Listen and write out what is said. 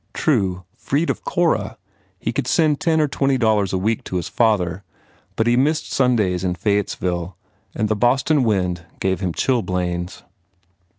True, freed of Cora, he could send ten or twenty dollars a week to his father but he missed Sundays in Fayettesville and the Boston wind gave him chilblains.